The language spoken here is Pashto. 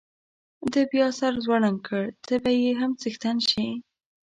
ده بیا سر ځوړند کړ، ته به یې هم څښتن شې.